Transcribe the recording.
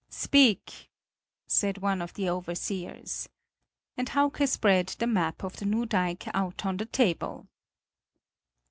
"Speak!" said one of the overseers. And Hauke spread the map of the new dike out on the table.